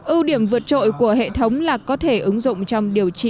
ưu điểm vượt trội của hệ thống là có thể ứng dụng trong điều trị